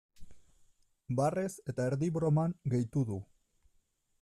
Barrez eta erdi broman gehitu du.